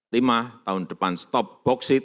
tahun depan stop boksit